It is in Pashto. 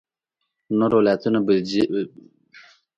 نور ولایتونه بودجه چلولای شي.